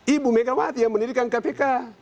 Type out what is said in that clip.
ibu megawati yang mendirikan kpk